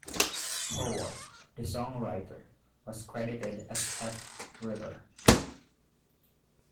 Howard, the song's writer, was credited as F. River.